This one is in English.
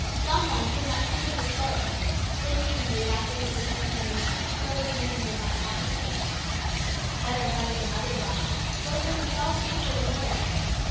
Don Juan could not speak of his sorrow. For weeks indeed after his return to Nuera his brother's name did not pass his lips. Better had it been otherwise, both for himself and for Dolores.